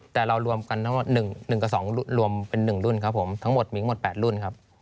แต่เรารวมกันทั้งหมดหนึ่งหนึ่งกับสองรวมเป็นหนึ่งรุ่นครับผมทั้งหมดมีทั้งหมดแปดรุ่นครับ